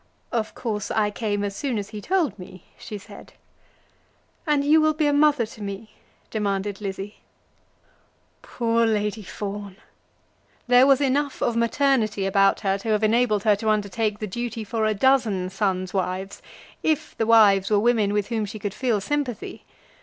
"Of course I came as soon as he told me," she said. "And you will be a mother to me?" demanded Lizzie. Poor Lady Fawn! There was enough of maternity about her to have enabled her to undertake the duty for a dozen sons' wives, if the wives were women with whom she could feel sympathy.